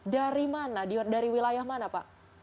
dari mana dari wilayah mana pak